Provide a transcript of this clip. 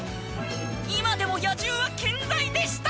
今でも野獣は健在でした！